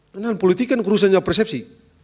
karena politik kan urusannya persepsi